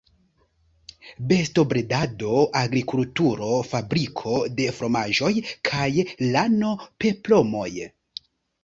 Bestobredado, agrikulturo, fabriko de fromaĝoj kaj lano-peplomoj.